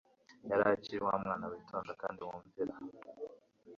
Yari akiri wa mwana witonda kandi wumvira.